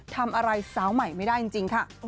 ทำอะไรสาวใหม่ไม่ได้จริงค่ะ